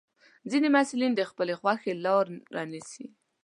ځینې محصلین د خپلې خوښې لاره نیسي.